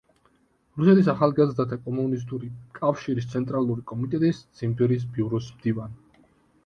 რუსეთის ახალგაზრდათა კომუნისტური კავშირის ცენტრალური კომიტეტის ციმბირის ბიუროს მდივანი.